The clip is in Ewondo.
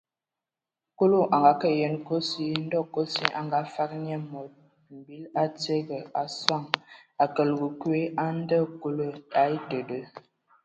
Kulu a ngakǝ yen kosi ai alu, ndɔ kosi a ngafag nye mod mbil a tiege a sɔŋ a kələg kwi a ndɛ Kulu a etede.